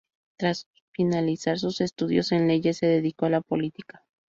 Tras finalizar sus estudios en leyes, se dedicó a la política.